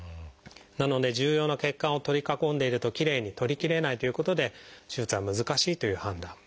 なので重要な血管を取り囲んでいるときれいに取りきれないということで手術は難しいという判断。